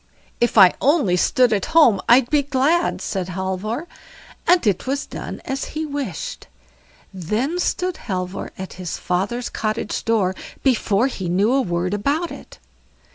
"If I only stood at home I'd be glad", said Halvor; and it was done as he had wished. Then stood Halvor at his father's cottage door before he knew a word about it.